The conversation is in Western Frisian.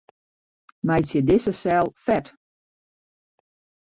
Meitsje dizze sel fet.